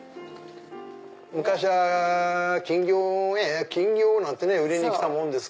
昔は金魚屋金魚！なんてね売りに来たもんですけども。